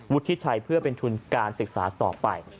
วุฒิชัยเพื่อเป็นทุนการศึกษาต่อไป